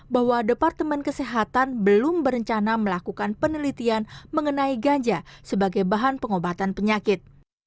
bahwa departemen kesehatan belum berencana melakukan penelitian mengenai ganja sebagai bahan pengobatan penyakit